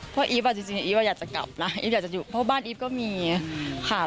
เพราะอีฟอ่ะจริงอีฟอยากจะกลับนะอีฟอยากจะอยู่เพราะบ้านอีฟก็มีค่ะ